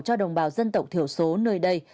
cho đồng bào dân tộc thiểu số nơi đây